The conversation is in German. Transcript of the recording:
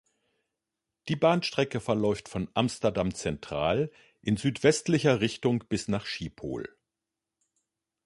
Die Bahnstrecke verläuft von Amsterdam Centraal in südwestlicher Richtung bis nach Schiphol.